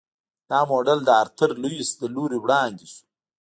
دا موډل د آرتر لویس له لوري وړاندې شو.